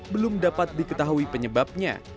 belum dapat diketahui penyebabnya